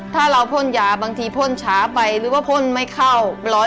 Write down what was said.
ถ้าเราพ่นยาบางทีพ่นช้าไปหรือว่าพ่นไม่เข้า๑๐๐